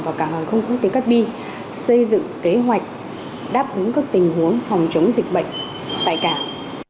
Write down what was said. và cảng hàng không quốc tế cát bi xây dựng kế hoạch đáp ứng các tình huống phòng chống dịch bệnh tại cảng